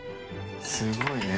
すごいね。